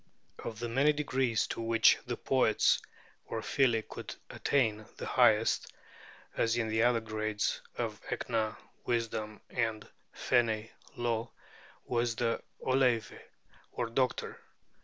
Of the many degrees to which the poets or File could attain, the highest (as in the other grades, of Ecna, "Wisdom," and of Fene, "Law") was the Ollave, or Doctor.